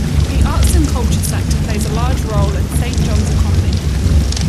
The arts and culture sector plays a large role in Saint John's economy.